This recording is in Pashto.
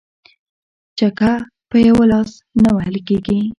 ـ چکه په يوه لاس نه وهل کيږي.